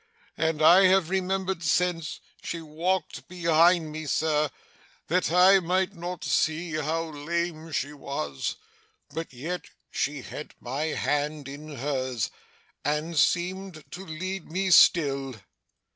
and, I have remembered since, she walked behind me, sir, that I might not see how lame she was but yet she had my hand in hers, and seemed to lead me still.